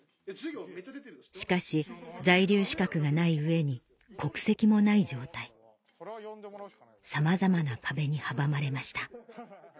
しかし在留資格がない上に国籍もない状態さまざまな壁に阻まれました